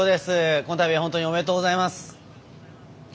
このたびは本当におめでとうございます。